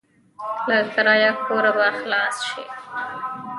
له کرايه کوره به خلاص شې.